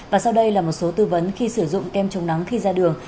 và sau đây là một số tư vấn khi sử dụng kem chống nắng khi ra đường